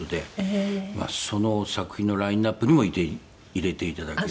その作品のラインアップにも入れていただける。